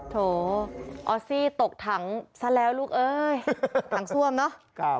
โถออสซี่ตกถังซะแล้วลูกเอ้ยถังซ่วมเนอะ